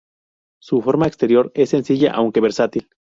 Su forma exterior es sencilla aunque versátil.